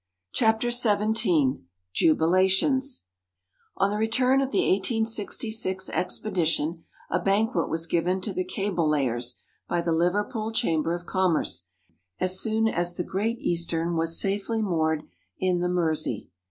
CHAPTER XVII JUBILATIONS Banquets Speeches Honors On the return of the 1866 Expedition a banquet was given to the cable layers by the Liverpool Chamber of Commerce, as soon as the Great Eastern was safely moored in the Mersey.